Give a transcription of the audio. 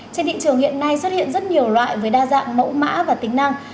trên thị trường hiện nay xuất hiện rất nhiều loại với đa dạng mẫu mã và tính năng